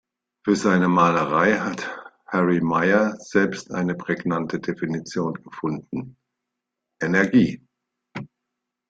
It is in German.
Für seine Malerei hat Harry Meyer selbst eine prägnante Definition gefunden: „Energie“.